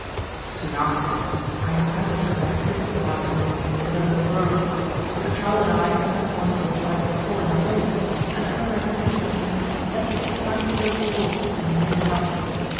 "Soon after this I encountered her on the cliff one afternoon with her little girl. The child and I had met once or twice before in the hall; and her recognition of me led to a little friendly talk between me and the mother.